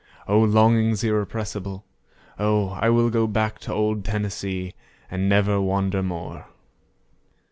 O longings irrepressible! O I will go back to old Tennessee, and never wander more!